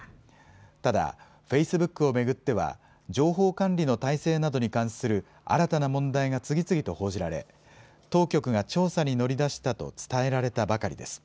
ただ、フェイスブックを巡っては、情報管理の体制などに関する新たな問題が次々と報じられ、当局が調査に乗り出したと伝えられたばかりです。